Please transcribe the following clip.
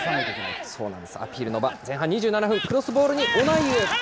アピールの場、前半２７分、クロスボールにオナイウ。